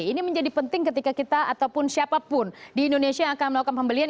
ini menjadi penting ketika kita ataupun siapapun di indonesia yang akan melakukan pembelian